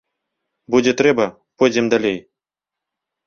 Будзе трэба, пойдзе далей.